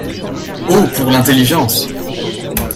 Oh ! pour l’intelligence !…